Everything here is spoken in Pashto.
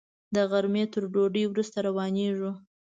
د غرمې تر ډوډۍ وروسته روانېږو.